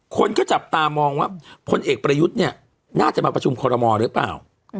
คนก็จับตามองว่าพลเอกประยุทธ์เนี่ยน่าจะมาประชุมคอรมอลหรือเปล่า